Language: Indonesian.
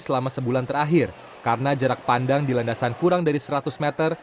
selama sebulan terakhir karena jarak pandang di landasan kurang dari seratus meter